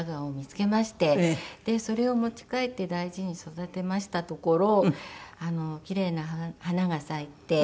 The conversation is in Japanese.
でそれを持ち帰って大事に育てましたところ奇麗な花が咲いて。